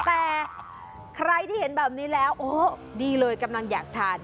แต่ใครที่เห็นแบบนี้แล้วโอ้ดีเลยกำลังอยากทาน